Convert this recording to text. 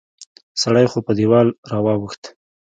سړی خو په دیوال را واوښت